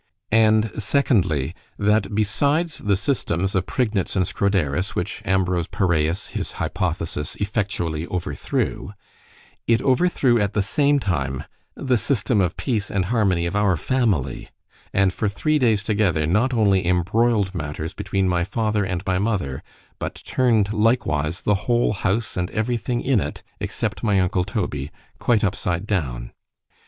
And, secondly, that besides the systems of Prignitz and Scroderus, which Ambrose Paræus his hypothesis effectually overthrew—it overthrew at the same time the system of peace and harmony of our family; and for three days together, not only embroiled matters between my father and my mother, but turn'd likewise the whole house and every thing in it, except my uncle Toby, quite upside down.